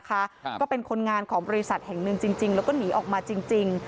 ก็เป็นคนงานของบริษัทแห่งนึงจริงแล้วก็หนีออกมาจริง